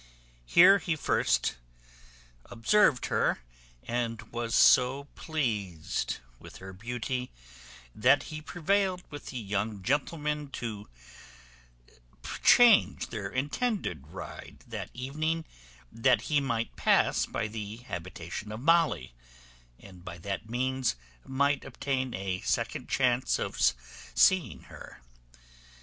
Here he first observed her, and was so pleased with her beauty, that he prevailed with the young gentlemen to change their intended ride that evening, that he might pass by the habitation of Molly, and by that means might obtain a second chance of seeing her.